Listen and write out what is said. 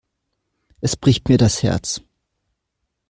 Es bricht mir das Herz.